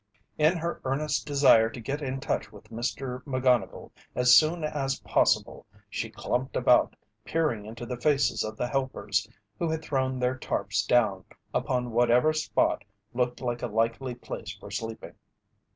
In her earnest desire to get in touch with Mr. McGonnigle as soon as possible, she clumped about, peering into the faces of the helpers, who had thrown their tarps down upon whatever spot looked a likely place for sleeping.